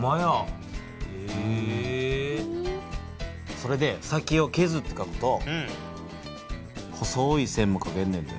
それで先をけずってかくと細い線もかけんねんで。